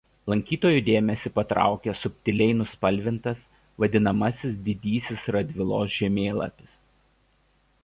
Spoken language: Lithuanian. Lankytojų dėmesį patraukia subtiliai nuspalvintas vadinamasis didysis Radvilos žemėlapis.